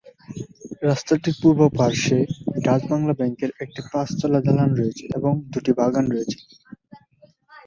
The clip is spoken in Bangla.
রাস্তাটির পূর্ব পার্শ্বে ডাচ ব্যাংকের একটি পাঁচ-তলা দালান রয়েছে এবং দুটি বাগান রয়েছে।